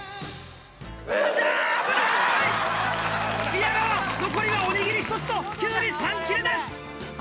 宮川残りはおにぎり１つときゅうり３切れです。